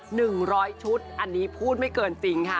หนึ่งร้อยชุดอันนี้พูดไม่เกินจริงค่ะ